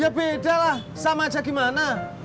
ya beda lah sama aja gimana